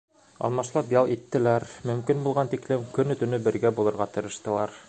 Алмашлап ял иттеләр, мөмкин булған тиклем көнө-төнө бергә булырға тырыштылар.